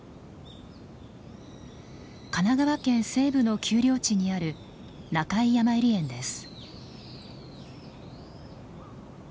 神奈川県西部の丘陵地にある中井やまゆり園です。